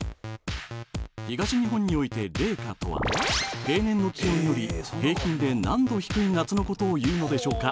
東日本において冷夏とは平年の気温より平均で何℃低い夏のことをいうのでしょうか？